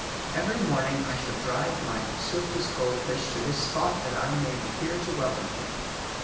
Every morning I shall drive my swiftest goldfish to this spot that I may be here to welcome him.